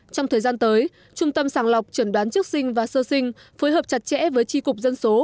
trong thời gian tới trung tâm sàng lọc trần đoán trước sinh và sơ sinh phối hợp chặt chẽ với tri cục dân số